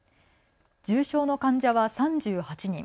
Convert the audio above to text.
重症の患者は３８人。